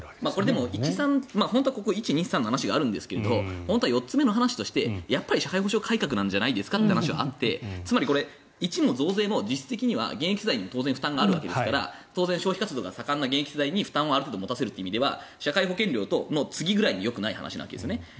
でも、本当はここに１、２、３の話があるんですが本当は４つ目の話として社会保障改革なんじゃないかという話があってつまり１も増税も現役世代に負担はあるわけですから当然、消費活動が盛んな現役世代に負担を持たせるとする時に社会保険料の次ぐらいによくない話なわけです。